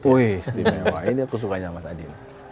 wih ini aku sukanya mas adi